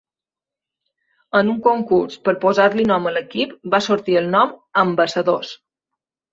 En un concurs per posar-li nom a l'equip va sortir el nom Ambassadors.